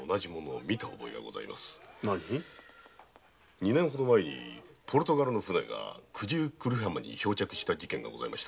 二年ほど前ポルトガルの船が九十九里浜に漂着した事件がありました。